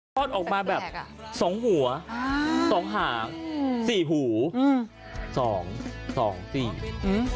พอดออกมาแบบ๒หัว๒หาง๔หู